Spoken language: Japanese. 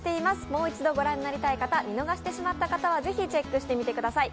もう一度ご覧になりたい方、見逃してしまたっ方はぜひチェックしてみてください。